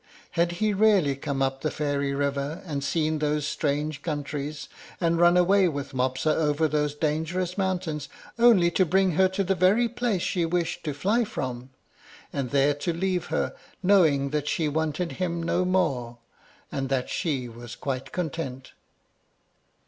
Had he really come up the fairy river, and seen those strange countries, and run away with Mopsa over those dangerous mountains, only to bring her to the very place she wished to fly from, and there to leave her, knowing that she wanted him no more, and that she was quite content?